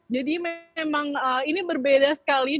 jadi memang ini berbeda sekali